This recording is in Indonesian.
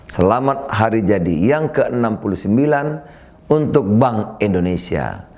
selamat hari jadi yang ke enam puluh sembilan untuk bank indonesia